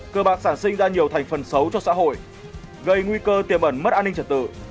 cơ bạc sản sinh ra nhiều thành phần xấu cho xã hội gây nguy cơ tiềm ẩn mất an ninh trật tự